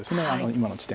今の地点